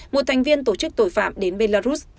một thành viên tổ chức tội phạm đến belarus